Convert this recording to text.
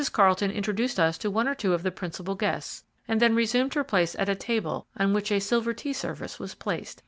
Carlton introduced us to one or two of the principal guests, and then resumed her place at a table on which a silver tea service was placed.